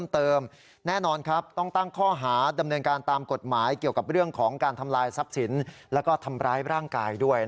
เธอต้องจัดการนะ